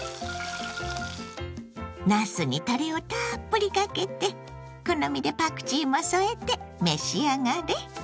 なすにたれをたっぷりかけて好みでパクチーも添えて召し上がれ！